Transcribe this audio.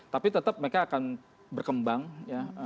tapi tetap mereka akan berkembang ya